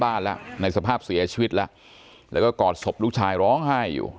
บ้านแล้วในสภาพเสียชีวิตแล้วแล้วก็กอดศพลูกชายร้องไห้อยู่